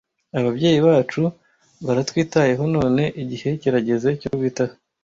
Ababyeyi bacu baratwitayeho none igihe kirageze cyo kubitaho.